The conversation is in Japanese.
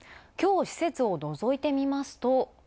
きょう施設をのぞいてみますと。